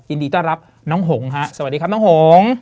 ยินดีต้อนรับน้องหงฮะสวัสดีครับน้องหง